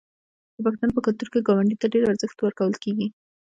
د پښتنو په کلتور کې ګاونډي ته ډیر ارزښت ورکول کیږي.